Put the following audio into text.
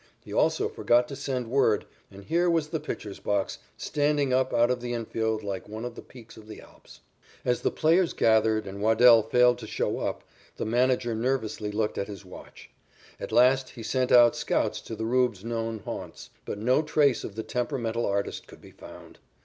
He also forgot to send word, and here was the pitcher's box standing up out of the infield like one of the peaks of the Alps. As the players gathered, and Waddell failed to show up, the manager nervously looked at his watch. At last he sent out scouts to the "Rube's" known haunts, but no trace of the temperamental artist could be found.